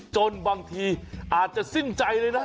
จนบางทีอาจจะสิ้นใจเลยนะ